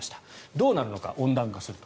どうなるのか、温暖化すると。